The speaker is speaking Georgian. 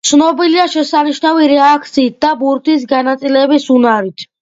ცნობილია შესანიშნავი რეაქციით და ბურთის განაწილების უნარით.